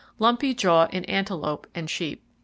Lumpy Jaw In Antelope And Sheep.